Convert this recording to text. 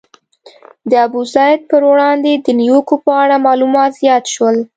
د ابوزید پر وړاندې د نیوکو په اړه معلومات زیات شول.